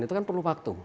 itu kan perlu waktu